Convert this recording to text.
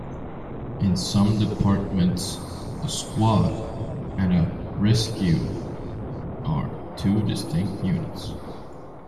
In some departments, a "squad" and a "rescue" are two distinct units.